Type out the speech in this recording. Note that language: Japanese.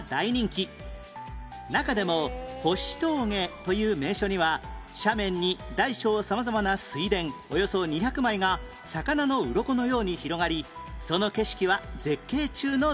中でも星峠という名所には斜面に大小様々な水田およそ２００枚が魚のウロコのように広がりその景色は絶景中の絶景